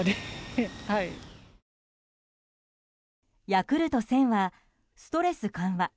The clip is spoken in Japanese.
ヤクルト１０００はストレス緩和